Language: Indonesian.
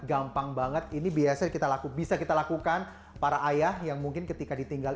gampang banget ini biasa kita lakukan bisa kita lakukan para ayah yang mungkin ketika ditinggal